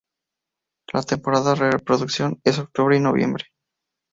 La temporada de reproducción es octubre y noviembre.